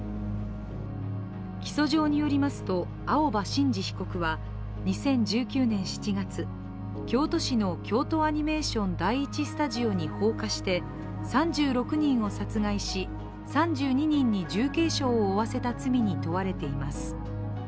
起訴状によりますと、青葉真司被告は２０１９年７月京都市の京都アニメーション・第１スタジオに放火して３６人を殺害し、３２人に重軽傷を負わせた罪に問われています。